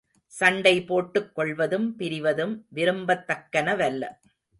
சண்டைபோட்டுக் கொள்வதும் பிரிவதும் விரும்பத்தக்கனவல்ல.